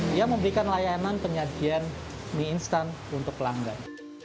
dia memberikan layanan penyajian mie instan untuk pelanggan